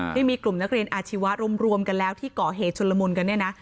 ที่มีกลุ่มนักเรียนอาชีวะรวมกันแล้วที่ก่อเหตุชนละมุนกันเนี่ยนะ